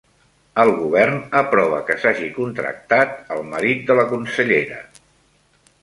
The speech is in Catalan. El govern aprova que s'hagi contractat el marit de la consellera